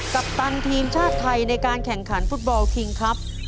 ปัปตันทีมชาติไทยในการแข่งขันฟุตบอลคิงครับ